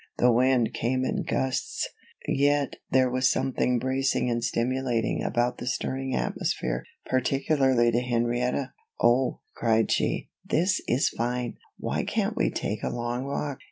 The wind came in gusts, yet there was something bracing and stimulating about the stirring atmosphere, particularly to Henrietta. "Oh!" cried she, "this is fine! Why can't we take a long walk?